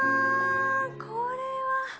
これは。